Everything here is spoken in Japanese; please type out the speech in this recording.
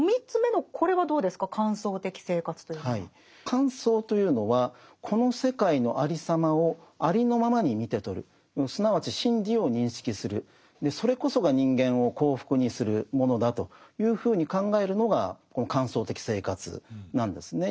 観想というのはこの世界のありさまをありのままに見て取るすなわち真理を認識するそれこそが人間を幸福にするものだというふうに考えるのがこの観想的生活なんですね。